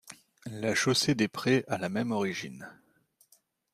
La chaussée des Prés a la même origine.